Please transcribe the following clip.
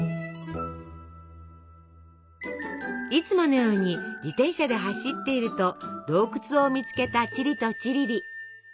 いつものように自転車で走っていると洞窟を見つけたチリとチリリ。